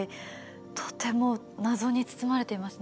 とても謎に包まれていますね。